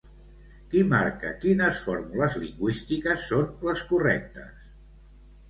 Qui marca quines fórmules lingüístiques són les correctes?